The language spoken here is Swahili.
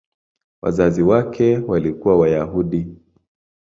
Wazazi wake walikuwa Wayahudi.